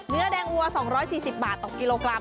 เนื้อแดงวัว๒๔๐บาทต่อกิโลกรัม